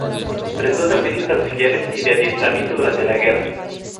Prestó servicios auxiliares y de adiestramiento durante la guerra.